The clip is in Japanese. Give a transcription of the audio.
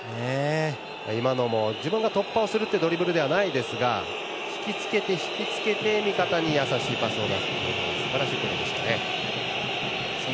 今のも自分が突破をするというドリブルではないですが引き付けて味方に優しいパスを出すというすばらしいプレーでしたね。